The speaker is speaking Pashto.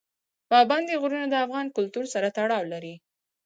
پابندی غرونه د افغان کلتور سره تړاو لري.